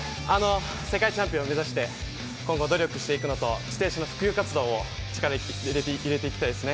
世界チャンピオンを目指して今後努力していくのと、自転車の普及活動に力を入れていきたいですね。